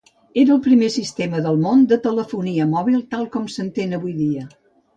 Era el primer sistema del món de telefonia mòbil tal com s'entén avui dia.